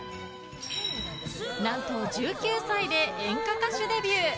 何と１９歳で演歌歌手デビュー。